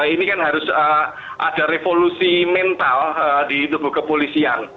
ini kan harus ada revolusi mental di tubuh kepolisian